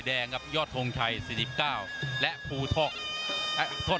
แดงครับยอดโทงชัยสี่สิบเก้าและภูทอกอ่ะขอบคุณ